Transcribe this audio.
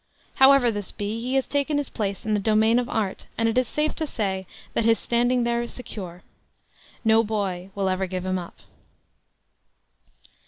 However this be, he has taken his place in the domain of art, and it is safe to say that his standing there is secure. No boy will ever give him up.